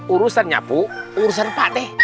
urusan nyapu urusan pak deh